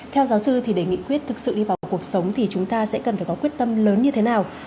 theo giáo sư thì để nghị quyết thực sự đi vào cuộc sống thì chúng ta sẽ cần phải có quyết tâm lớn như thế nào